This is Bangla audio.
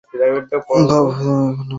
বাবু তুমি এখানে অপেক্ষা করো।